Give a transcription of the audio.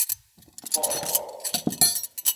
掣掣